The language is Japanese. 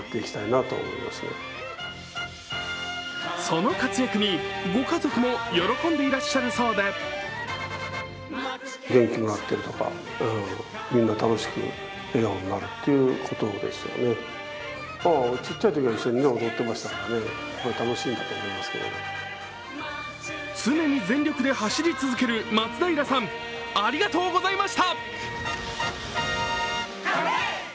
その活躍にご家族も喜んでいらっしゃるそうで常に全力で走り続ける松平さん、ありがとうございました！